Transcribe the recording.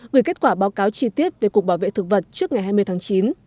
gửi kết quả báo cáo chi tiết về cục bảo vệ thực vật trước ngày hai mươi tháng chín